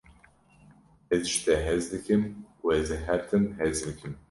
Ez ji te hez dikim û ez ê her tim hez bikim.